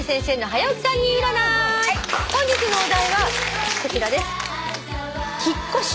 本日のお題はこちらです。